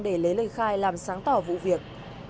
để lấy lời khai làm sáng tỏ vụ việc